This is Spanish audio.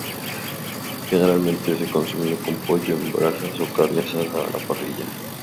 Generalmente se consumen con pollo en brasas o carne asada a la parrilla.